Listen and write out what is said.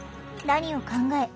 何を考え